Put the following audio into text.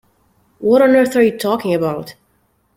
What on earth are you talking about?